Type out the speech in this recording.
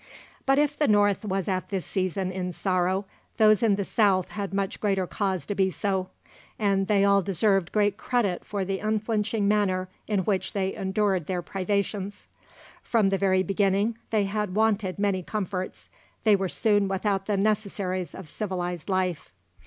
But if the North was at this season in sorrow, those in the South had much greater cause to be so, and they all deserved great credit for the unflinching manner in which they endured their privations. From the very beginning, they had wanted many comforts; they were soon without the necessaries of civilised life.